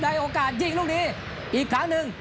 โอกาสยิงลูกนี้อีกครั้งหนึ่ง